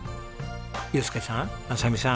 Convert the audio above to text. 祐介さん昌美さん